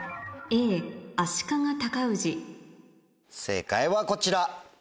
正解はこちら。